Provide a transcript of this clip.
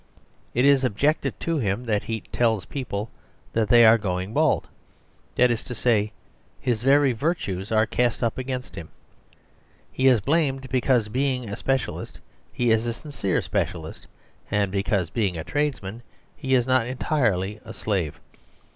It is objected to him that he tells people that they are going bald. That is to say, his very virtues are cast up against him; he is blamed because, being a specialist, he is a sincere specialist, and because, being a tradesman, he is not entirely a slave.